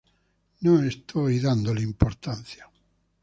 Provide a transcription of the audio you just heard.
No estoy dándole importancia.